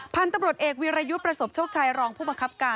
พันธุ์ตำรวจเอกวิรยุทธ์ประสบโชคชัยรองผู้บังคับการ